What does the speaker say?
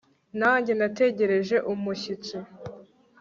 Nanjye nategereje umushyitsi